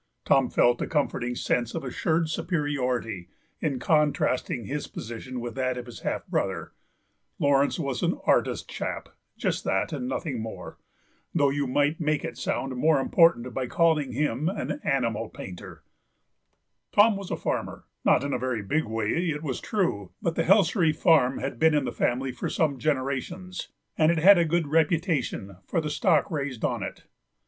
Tom felt a comforting sense of assured superiority in contrasting his position with that of his half brother; Laurence was an artist chap, just that and nothing more, though you might make it sound more important by calling him an animal painter; Tom was a farmer, not in a very big way, it was true, but the Helsery farm had been in the family for some generations, and it had a good reputation for the stock raised on it.